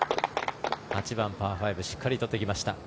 ８番、パー５しっかり取ってきました。